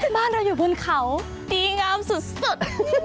บ้านเราอยู่บนเขาดีงามสุด